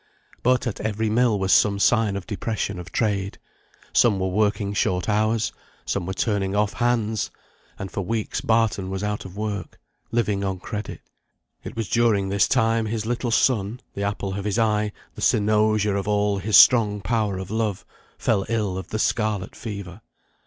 But at every mill was some sign of depression of trade; some were working short hours, some were turning off hands, and for weeks Barton was out of work, living on credit. It was during this time his little son, the apple of his eye, the cynosure of all his strong power of love, fell ill of the scarlet fever.